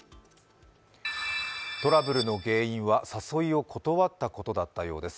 トラブルの原因は、誘いを断ったことのようです。